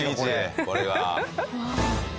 これが。